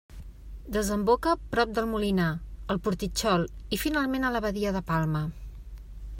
Desemboca prop del Molinar, al Portitxol i finalment a la badia de Palma.